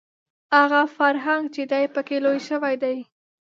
هغه فرهنګ چې دی په کې لوی شوی دی